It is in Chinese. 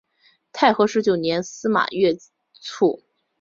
太和十九年司马跃卒。